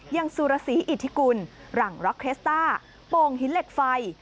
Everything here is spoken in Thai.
สุรสีอิทธิกุลหลังร็อกเคสต้าโป่งหินเหล็กไฟ